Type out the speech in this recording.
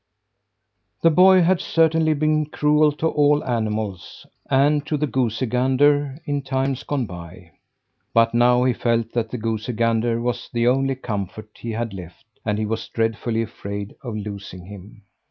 The boy had certainly been cruel to all animals, and to the goosey gander in times gone by; but now he felt that the goosey gander was the only comfort he had left, and he was dreadfully afraid of losing him.